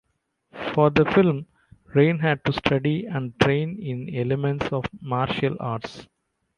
For the film, Rain had to study and train in elements of martial arts.